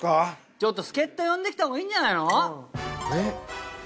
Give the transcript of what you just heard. ちょっと助っ人呼んできたほうがいいんじゃないの？